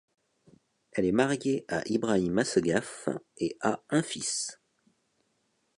Elle est mariée à Ibrahim Assegaf et a un fils.